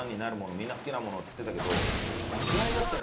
みんな好きなものっつってたけど意外だったね